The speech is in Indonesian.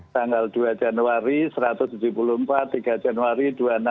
tanggal dua januari satu ratus tujuh puluh empat tiga januari dua ribu enam belas